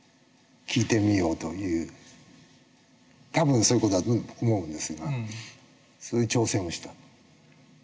多分そういう事だと思うんですがそういう挑戦をした。